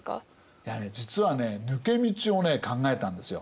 いやね実はね抜け道をね考えたんですよ。